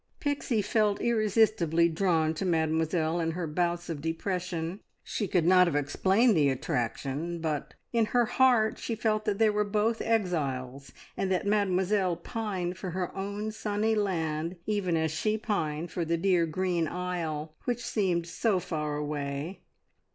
Pixie felt irresistibly drawn to Mademoiselle in her hours of depression. She could not have explained the attraction, but in her heart she felt that they were both exiles, and that Mademoiselle pined for her own sunny land, even as she pined for the dear green isle which seemed so far away.